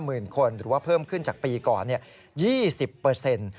หรือว่าเพิ่มขึ้นจากปีก่อน๒๐